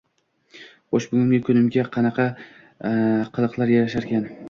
Xo‘sh, bugungi kunimga qanaqa qiliqlar yarasharkin?